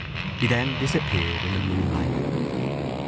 He then disappeared in the moonlight.